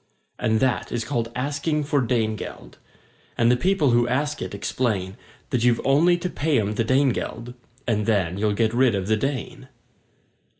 And that is called asking for Dane geld, And the people who ask it explain That you've only to pay 'em the Dane geld And then you'll get rid of the Dane!